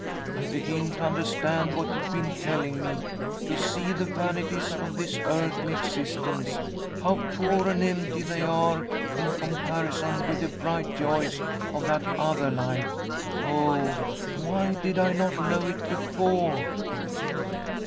I begin to understand what you've been telling me to see the vanities of this earthly existence, how poor and empty they are in comparison with the bright joys of that other life. Oh! why did I not know it before?"